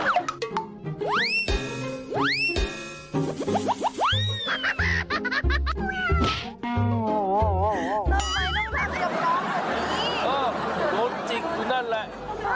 โดนไล่ตรงนั้นโดนจิกตรงนั้นแหละ